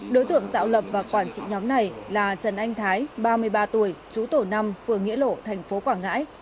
đối tượng tạo lập và quản trị nhóm này là trần anh thái ba mươi ba tuổi chú tổ năm phường nghĩa lộ thành phố quảng ngãi